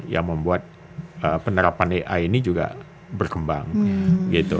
yang membuat penerapan ai ini juga berkembang gitu